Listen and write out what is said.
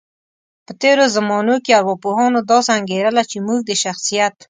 په تیرو زمانو کې ارواپوهانو داسې انګیرله، چی موږ د شخصیت